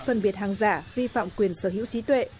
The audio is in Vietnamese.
phân biệt hàng giả vi phạm quyền sở hữu trí tuệ